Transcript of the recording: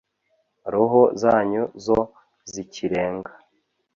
roho zanyu zo zikirenga